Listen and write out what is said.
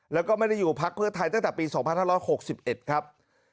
แล้วก็ไม่ได้อยู่พักเพื่อไทยตั้งแต่ปี๒๕๖๑ครับ